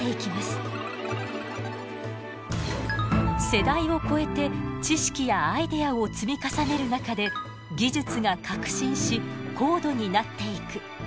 世代を超えて知識やアイデアを積み重ねる中で技術が革新し高度になっていく。